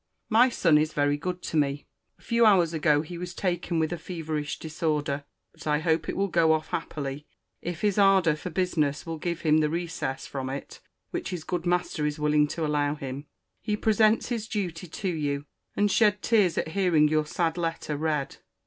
My son is very good to me. A few hours ago he was taken with a feverish disorder. But I hope it will go off happily, if his ardour for business will give him the recess from it which his good master is willing to allow him. He presents his duty to you, and shed tears at hearing your sad letter read.